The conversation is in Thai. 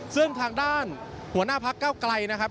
ซึ่งทางด้านหัวหน้าพักเก้าไกลนะครับ